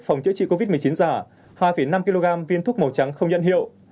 trong chữa trị covid một mươi chín giả hai năm kg viên thuốc màu trắng không nhận hiệu